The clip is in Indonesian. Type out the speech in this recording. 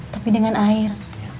tapi dengan air